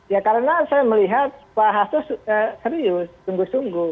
ya karena saya melihat pak hasto serius sungguh sungguh